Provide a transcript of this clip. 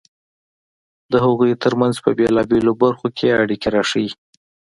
د هغوی ترمنځ په بېلابېلو برخو کې اړیکې راښيي.